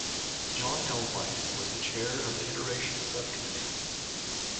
Jon L. White was the chair of the Iteration Subcommittee.